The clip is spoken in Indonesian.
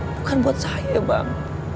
bukan buat saya bang